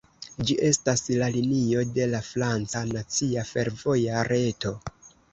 Ĝi estas la linio de la franca nacia fervoja reto.